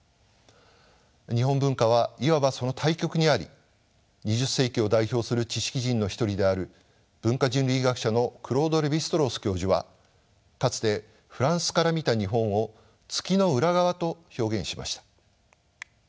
日本文化はいわばその対極にあり２０世紀を代表する知識人の一人である文化人類学者のクロード・レヴィ＝ストロース教授はかつてフランスから見た日本を「月の裏側」と表現しました。